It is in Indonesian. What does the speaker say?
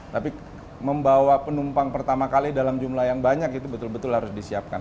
tapi membawa penumpang pertama kali dalam jumlah yang banyak itu betul betul harus disiapkan